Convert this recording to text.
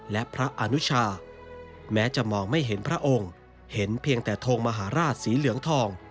และพระอนุชาแม้จะมองไม่เห็นพระองค์เห็นเพียงแต่ทงมหาราชสีเหลืองทอง